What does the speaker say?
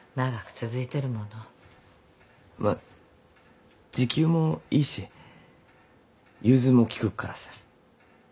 まあ時給もいいし融通も利くからさ。